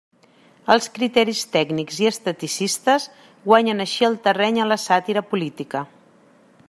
Els criteris tècnics i esteticistes guanyen així el terreny a la sàtira política.